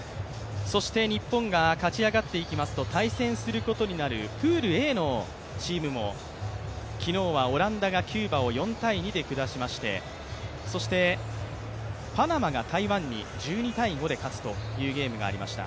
そして日本が勝ち上がっていきますと、対戦することになるプールＡのチームも昨日はオランダがキューバを４−２で下しましてそしてパナマが台湾に１２−５で勝つというゲームがありました。